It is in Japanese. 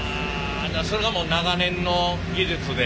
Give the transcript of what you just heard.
じゃそれがもう長年の技術で？